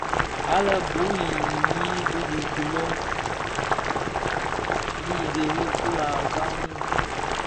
Àa le bu i yii di bi kilong inë bë ri bii ghêrii kula canji.